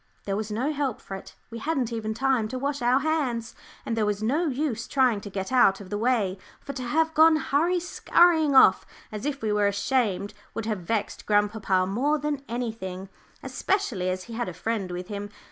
There was no help for it; we hadn't even time to wash our hands, and there was no use trying to get out of the way, for to have gone hurry skurrying off as if we were ashamed would have vexed grandpapa more than anything, especially as he had a friend with him.